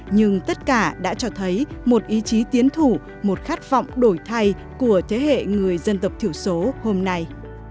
nhưng tất cả đã cho thấy một ý chí tiến thủ một khát vọng đổi thay của thế hệ người dân tộc thiểu số hôm nay